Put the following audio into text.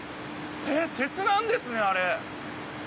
えっ鉄なんですねあれ。